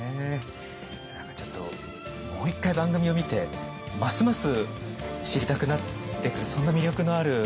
何かちょっともう一回番組を見てますます知りたくなってくるそんな魅力のある方でしたよね。